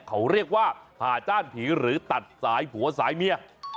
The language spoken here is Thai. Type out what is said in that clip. เขาเรียกว่าผ่าจ้านผีหรือตัดสายผัวสายเมีย